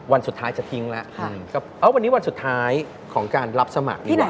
วันสุดท้ายจะทิ้งแล้วก็วันนี้วันสุดท้ายของการรับสมัครนี่แหละ